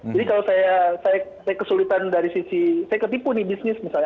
jadi kalau saya kesulitan dari sisi saya ketipu nih bisnis misalnya